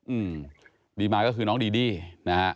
อืมดีมาก็คือน้องดีดี้นะฮะ